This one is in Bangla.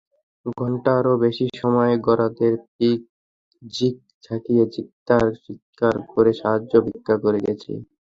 ঘণ্টারও বেশি সময় গরাদের শিক ঝাঁকিয়ে চিৎকার করে সাহায্য ভিক্ষা করে গেছে।